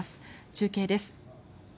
中継です。